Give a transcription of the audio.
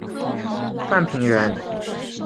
范平人。